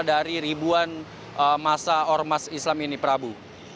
dari ribuan masa ormas islam ini prabu